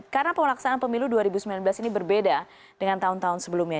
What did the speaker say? karena pengelaksanaan pemilu dua ribu sembilan belas ini berbeda dengan tahun tahun sebelumnya